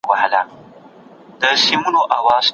زموږ ملي یووالی زموږ قوت دی.